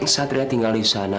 satria tinggal di sana